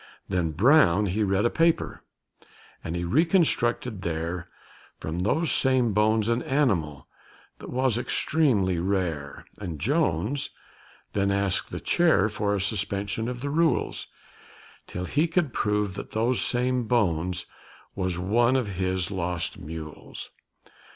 Then Brown he read a paper, and he reconstructed there, From those same bones an animal that was extremely rare, And Jones then asked the chair for a suspension of the rules, Till he could prove that those same bones was one of his lost mules.